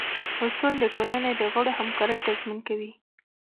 اصول د ټولنې د غړو همکارۍ تضمین کوي.